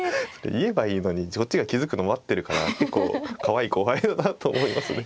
言えばいいのにこっちが気付くの待ってるから結構かわいい後輩だなと思いますね。